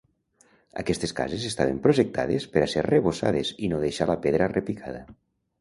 Aquestes cases estaven projectades per a ser arrebossades i no deixar la pedra repicada.